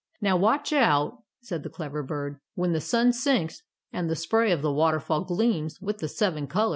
"Now watch out," said the clever bird. "When the sun sinks, and the spray of the waterfall gleams with the seven colors of « A <A •